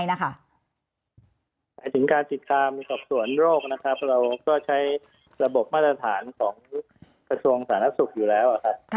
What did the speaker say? ถึงการติดตามกับส่วนโรคเพราะเราก็ใช้ระบบมาตรฐานของกระทรวงศาลนักศึกษ์อยู่แล้ว